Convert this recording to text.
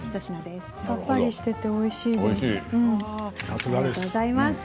さっぱりしていておいしいです。